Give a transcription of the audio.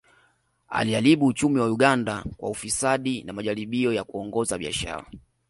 Aliharibu uchumi wa Uganda kwa ufisadi na majaribio ya kuongoza biashara